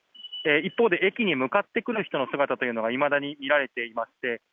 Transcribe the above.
一方で駅に向かってくる人の姿がいまだに見られています。